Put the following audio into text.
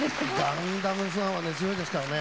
「ガンダム」ファンは根強いですからね。